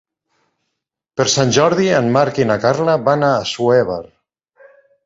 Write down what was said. Per Sant Jordi en Marc i na Carla van a Assuévar.